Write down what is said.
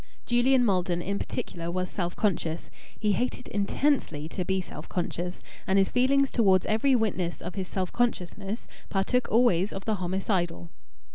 Julian Maldon in particular was self conscious. He hated intensely to be self conscious, and his feeling towards every witness of his self consciousness partook always of the homicidal.